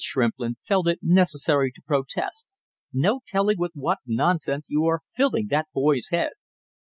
Shrimplin felt it necessary to protest: "No telling with what nonsense you are filling that boy's head!"